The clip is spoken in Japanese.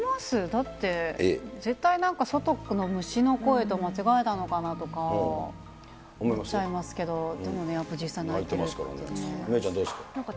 だって、絶対なんか外の虫の声と間違えたのかなとか思っちゃいますけど、でもね、芽生ちゃん、どうですか？